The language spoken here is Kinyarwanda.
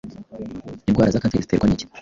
indwara za kanseri ziterwa nicyi